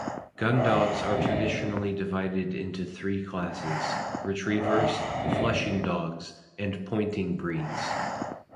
Gundogs are traditionally divided into three classes: retrievers, flushing dogs, and pointing breeds.